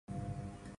No audio